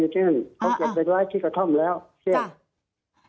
อ๋อเขาเก็บไปด้วยที่กระท่อมแล้วเชื่ออ๋อ